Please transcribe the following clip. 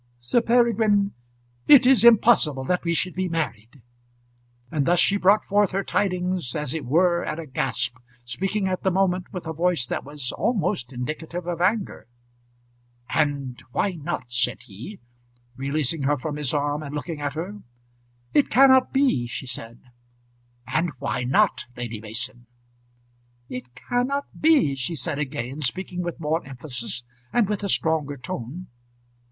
"Sir Peregrine, it is impossible that we should be married." And thus she brought forth her tidings, as it were at a gasp, speaking at the moment with a voice that was almost indicative of anger. "And why not?" said he, releasing her from his arm and looking at her. "It cannot be," she said. "And why not, Lady Mason?" "It cannot be," she said again, speaking with more emphasis, and with a stronger tone.